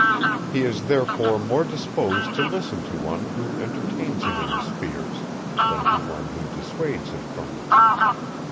He is therefore more disposed to listen to one, who entertains him in his fears, than to one, who dissuades him from them.